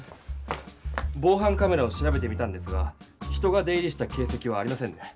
ぼうはんカメラを調べてみたんですが人が出入りした形せきはありませんね。